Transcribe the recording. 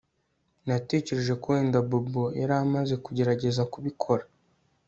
Natekereje ko wenda Bobo yari amaze kugerageza kubikora